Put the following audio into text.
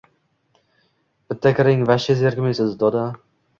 Bitta kiring, vashshe zerikmisiz doda